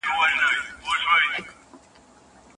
حکومت کله استعفا ته اړ کیږي؟